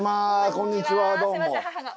こんにちはどうも。